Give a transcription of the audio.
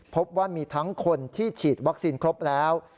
พบว่ามีทั้งคนที่ฉีดวัคซีนครบแล้ว